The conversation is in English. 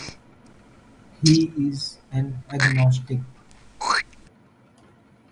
He is an agnostic.